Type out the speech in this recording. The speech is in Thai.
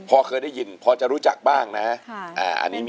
พอเคยได้ยินพอจะรู้จักบ้างนะ